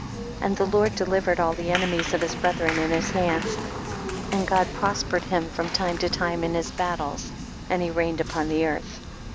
32. And the Lord delivered all the enemies of his brethren in his hands, and God prospered him from time to time in his battles, and he reigned upon earth, 33.